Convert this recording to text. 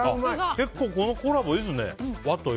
結構、このコラボいいですね。